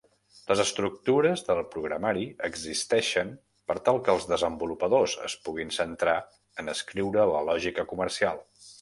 Les estructures de programari existeixen per tal que els desenvolupadors es puguin centrar en escriure la lògica comercial.